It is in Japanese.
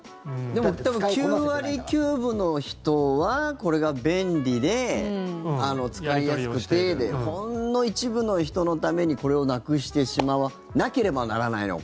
でも、多分９割９分の人はこれが便利で、使いやすくてほんの一部の人のためにこれをなくしてしまわなければならないのか。